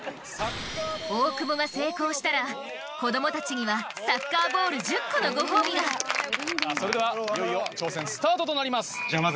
大久保が成功したら子供たちにはサッカーボール１０個のご褒美がそれではいよいよ挑戦スタートとなります。